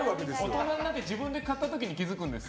大人になって自分に買った時に気付くんです。